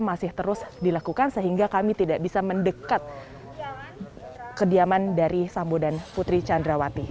masih terus dilakukan sehingga kami tidak bisa mendekat kediaman dari sambo dan putri candrawati